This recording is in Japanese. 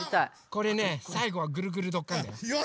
これねさいごは「ぐるぐるどっかん！」だよ。